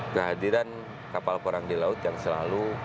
kehadiran kapal perang di laut yang selalu